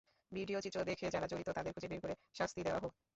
ভিডিওচিত্র দেখে যাঁরা জড়িত তাঁদের খুঁজে বের করে শাস্তি দেওয়া হোক।